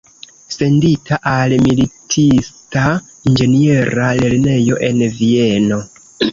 Sendita al militista inĝeniera lernejo en Vieno.